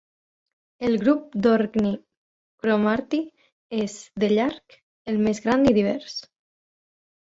El grup d'Orkney-Cromarty és, de llarg, el més gran i divers.